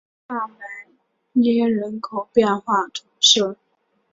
萨莱涅人口变化图示